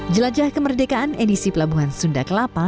jelajah kemerdekaan edisi pelabuhan sunda kelapa